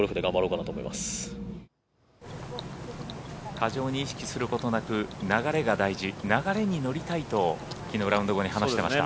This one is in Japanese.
過剰に意識することなく流れが大事流れに乗りたいと、きのうラウンド後に話していました。